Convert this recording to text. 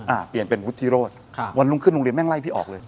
อ่าเปลี่ยนเป็นวุฒิโรธค่ะวันรุ่งขึ้นโรงเรียนแม่งไล่พี่ออกเลย